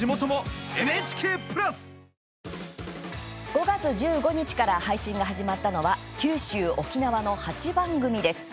５月１５日から配信が始まったのは九州・沖縄の８番組です。